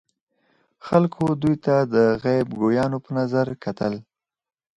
خلکو دوی ته د غیب ګویانو په نظر کتل.